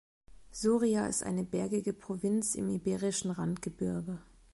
Soria ist eine bergige Provinz im Iberischen Randgebirge.